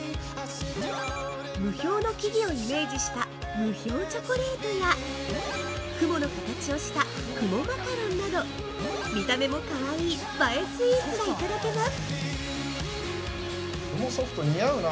霧氷の木々をイメージした霧氷チョコレートや雲の形をした雲マカロンなど見た目もかわいい映えスイーツがいただけます。